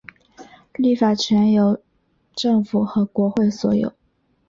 立法权由政府和国会所有。